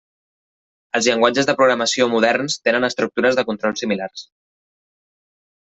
Els llenguatges de programació moderns tenen estructures de control similars.